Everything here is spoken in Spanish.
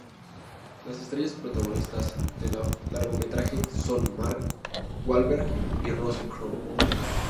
Las estrellas protagonistas de largometraje son Mark Wahlberg y Russell Crowe.